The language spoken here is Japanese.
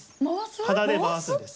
鼻で回すんです。